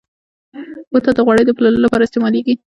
بوتل د غوړیو د پلور لپاره استعمالېږي.